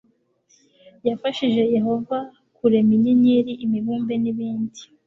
yafashije yehova kurema inyenyeri imibumbe nibindi